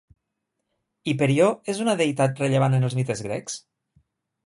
Hiperió és una deïtat rellevant en els mites grecs?